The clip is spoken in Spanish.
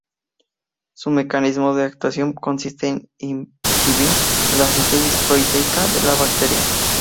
Su mecanismo de actuación consiste en inhibir la síntesis proteica de la bacteria.